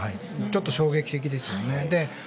ちょっと衝撃的ですよね。